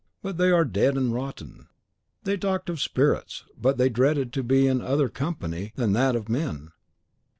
But they are dead and rotten. They talked of spirits, but they dreaded to be in other company than that of men.